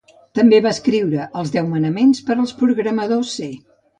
També va escriure "Els deu manaments per als programadors C".